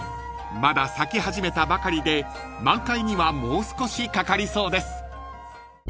［まだ咲き始めたばかりで満開にはもう少しかかりそうです］